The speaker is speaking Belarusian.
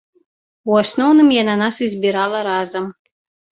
У асноўным яна нас і збірала разам.